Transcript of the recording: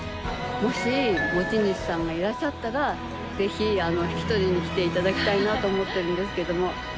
もし持ち主さんがいらっしゃったらぜひ引き取りに来て頂きたいなと思っておりますけども。